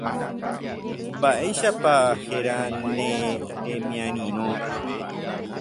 Mba'éichapa héra ne remiarirõ.